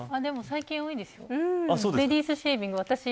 でも、最近多いですよ。